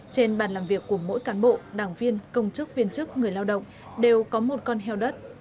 trên bàn làm việc của mỗi cán bộ đảng viên công chức viên chức người lao động đều có một con heo đất